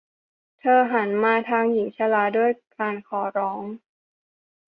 เธอหันมาทางหญิงชราด้วยการขอร้อง